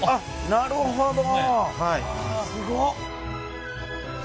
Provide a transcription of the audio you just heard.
なるほど。